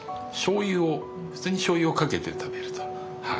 しょうゆを普通にしょうゆをかけて食べると。